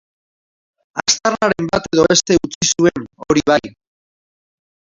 Aztarnaren bat edo beste utzi zuen, hori bai.